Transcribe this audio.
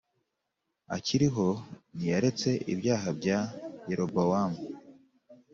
akiriho ntiyaretse ibyaha bya Yerobowamu